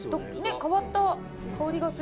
変わった香りがする。